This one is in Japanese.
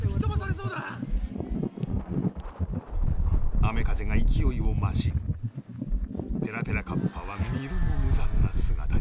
雨風が勢いを増しペラペラカッパは見るも無残な姿に